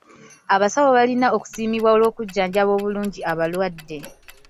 Abasawo balina okusiimibwa olw'okujjanjaba obulungi abalwadde.